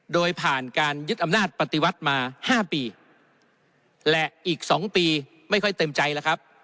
โดยผ่านการยึดอำนาจปฏิวัติมา๕ปีและอีก๒ปีไม่ค่อยเต็มใจแล้วครับ